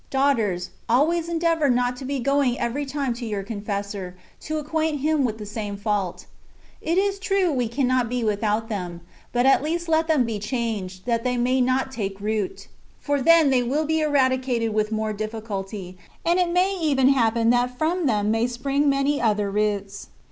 Daughters, always endeavour not to be going every time to your confessor, to acquaint him with the same fault. It is true we cannot be without them ; but at least let them be changed, that they may not take root ; for then they wiU be eradicated with more difficulty, and it may even happen that from them may spring many other roots.